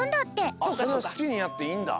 あっそれはすきにやっていいんだ。